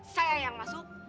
saya yang masuk